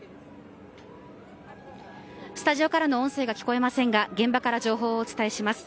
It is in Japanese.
スタジオからの音声が聞こえませんが現場から情報をお伝えします。